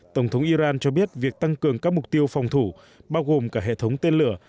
tổng thống iran cho biết việc tăng cường các mục tiêu phòng thủ bao gồm cả hệ thống tên lửa